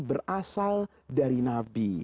berasal dari nabi